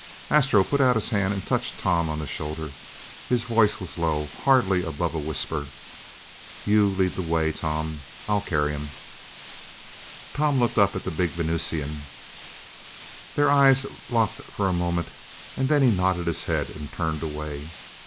Astro put out his hand and touched Tom on the shoulder. His voice was low, hardly above a whisper. "You lead the way, Tom. I'll carry him." [Illustration: "You lead the way, Tom. I'll carry him."] Tom looked up at the big Venusian. Their eyes locked for a moment and then he nodded his head and turned away.